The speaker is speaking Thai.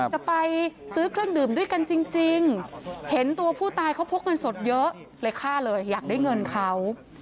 จะไปซื้อเครื่องดื่มด้วยกันจริงเห็นตัวผู้ตายเขาพกเงินสดเยอะเลยฆ่าเลยอยากได้เงินเขา